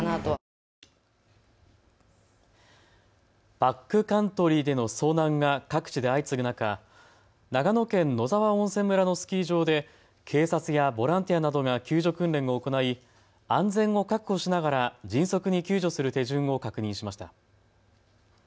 バックカントリーでの遭難が各地で相次ぐ中、長野県野沢温泉村のスキー場で警察やボランティアなどが救助訓練を行い、安全を確保しながら迅速に救助する手順を確認しました。